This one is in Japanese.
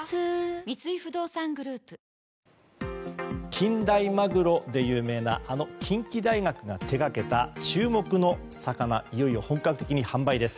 近大マグロで有名なあの近畿大学が手掛けた注目の魚いよいよ本格的に販売です。